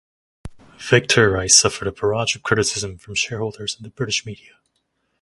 Victor Rice suffered a barrage of criticism from shareholders and the British media.